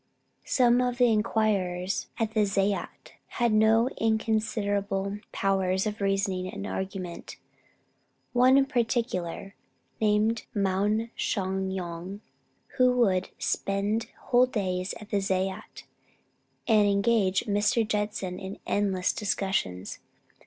Some of the inquirers at the zayat had no inconsiderable powers of reasoning and argument; one in particular, named Moung Shwa gnong; who would spend whole days at the zayat, and engage Mr. Judson in endless discussions.